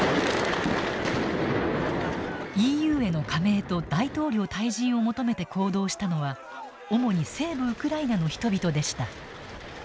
ＥＵへの加盟と大統領退陣を求めて行動したのは主に西部ウクライナの人々でした。